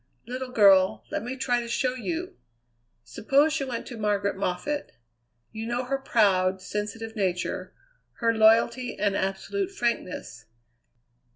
Little girl, let me try to show you. Suppose you went to Margaret Moffatt. You know her proud, sensitive nature; her loyalty and absolute frankness.